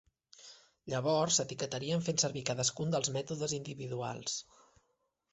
Llavors, s'etiquetarien fent servir cadascun dels mètodes individuals.